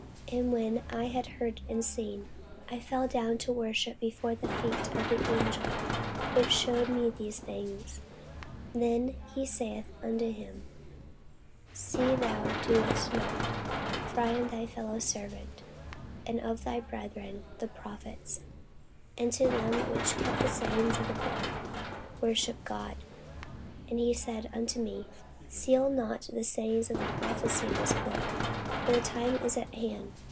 And when I had heard and seen, I fell down to worship before the feet of the angel which shewed me these things. Then saith he unto me, See thou do it not: for I am thy fellowservant, and of thy brethren the prophets, and of them which keep the sayings of this book: worship God. And he saith unto me, Seal not the sayings of the prophecy of this book: for the time is at hand.